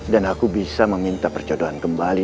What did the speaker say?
dan aku bisa meminta perjodohan kembali